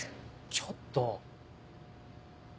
ちょっと！